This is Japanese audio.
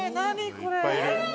これ。